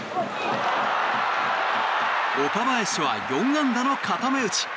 岡林は４安打の固め打ち！